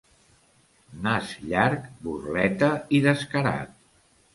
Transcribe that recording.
Nas llarg, burleta i descarat.